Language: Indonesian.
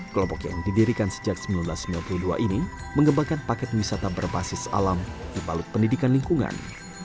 kelompok yang didirikan sejak seribu sembilan ratus sembilan puluh dua ini mengembangkan paket wisata berbasis alam di balut pendidikan lingkungan